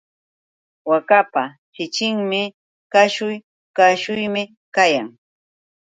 Waakapa chichichan kashuy kashuymi kayan.